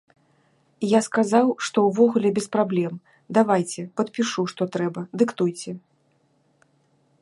Я сказаў, што ўвогуле без праблем, давайце, падпішу, што трэба, дыктуйце.